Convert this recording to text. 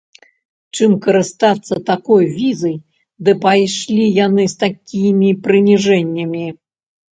Чым карыстацца такой візай, ды пайшлі яны з такімі прыніжэннямі!